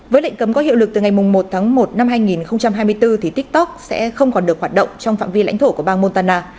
với lệnh cấm có hiệu lực từ ngày một tháng một năm hai nghìn hai mươi bốn thì tiktok sẽ không còn được hoạt động trong phạm vi lãnh thổ của bang montana